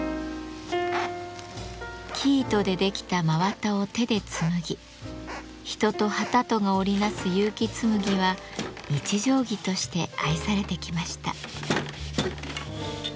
生糸で出来た真綿を手で紡ぎ人と機とが織り成す結城紬は日常着として愛されてきました。